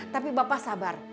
tapi bapak sabar